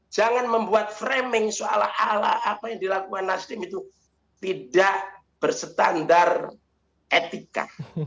jangan membuat framing soal ala apa yang dilakukan nasdem itu tidak berstandar etika